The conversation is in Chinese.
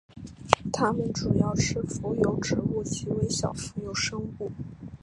它们主要吃浮游植物及微小浮游生物。